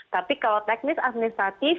tapi kalau teknis administratif